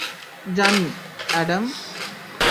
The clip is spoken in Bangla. জানি, অ্যাডাম।